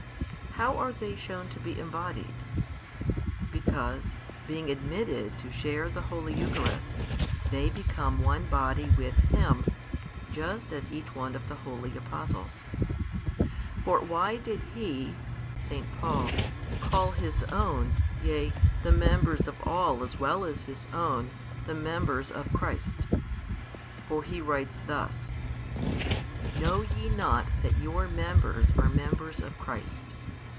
How are they shown to be "embodied"? Because, being admitted to share the Holy Eucharist, they become one body with Him, just as each one of the holy Apostles. For why did he (S. Paul) call his own, yea, the members of all as well as his own, the members of Christ? For he writes thus: Know ye not that your members are members of Christ?